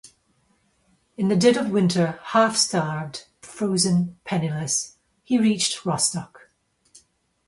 In the dead of winter, half starved, frozen, penniless, he reached Rostock.